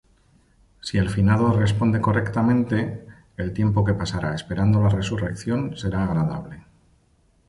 Si el finado responde correctamente, el tiempo que pasará esperando la resurrección será agradable.